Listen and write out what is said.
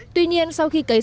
tuy nhiên sau khi cấy sau